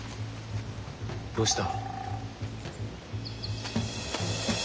どうした？